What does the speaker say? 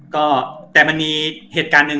ก็แต่มันมีเหตุการณ์หนึ่ง